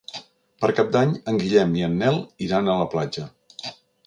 Per Cap d'Any en Guillem i en Nel iran a la platja.